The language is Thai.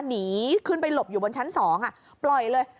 หนีขึ้นไปหลบอยู่บนชั้น๒ปล่อยเลย